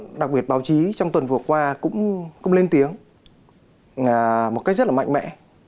và dư luận đặc biệt báo chí trong tuần vừa qua cũng lên tiếng một cách rất là mạnh mẽ